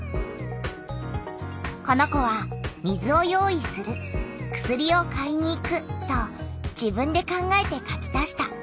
この子は「水を用意する」「薬を買いに行く」と自分で考えて書き足した。